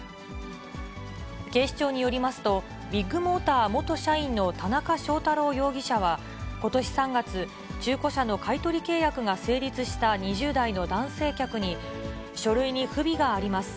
警視庁によりますと、ビッグモーター元社員の田中祥太朗容疑者はことし３月、中古車の買い取り契約が成立した２０代の男性客に、書類に不備があります。